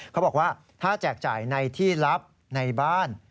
เขาบอกว่าถ้าแจกจ่ายในที่ลับในบ้าน